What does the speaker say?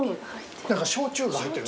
焼酎が入ってる。